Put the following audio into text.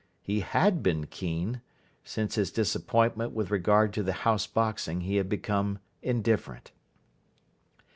He had been keen. Since his disappointment with regard to the House Boxing he had become indifferent.